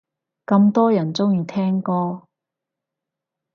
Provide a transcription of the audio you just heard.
咁多人鍾意聽歌